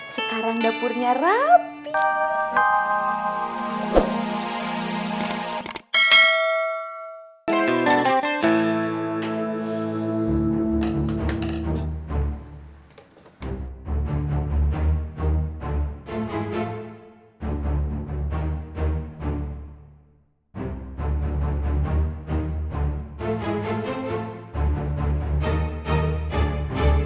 sekarang dapurnya rapi